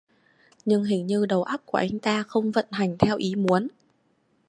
Nhưng hình như đầu óc của anh ta không vận hành theo ý muốn